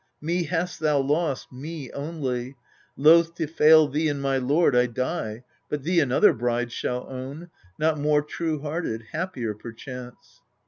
Me hast thou lost, Me only : loath to fail thee and my lord I die : but thee another bride shall own, Not more true hearted ; happier perchance."